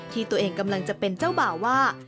ที่ตัวเองกำลังจะเป็นเจ้าบ่าวว่า